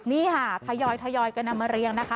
นี่ค่ะทยอยกันนำมาเรียงนะคะ